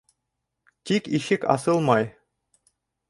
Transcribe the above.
Тик ишек асылмай.